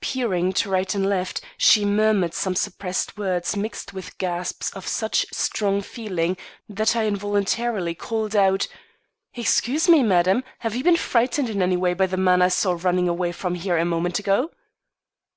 Peering to right and left, she murmured some suppressed words mixed with gasps of such strong feeling that I involuntarily called out: "Excuse me, madam, have you been frightened in any way by the man I saw running away from here a moment ago?"